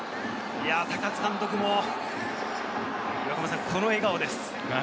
高津監督もこの笑顔です。